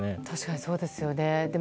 確かに、そうですよね。